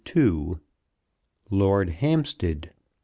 LORD HAMPSTEAD.